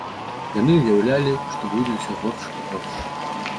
Яны ўяўлялі, што будзе ўсё горш і горш.